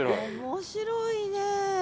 面白いね。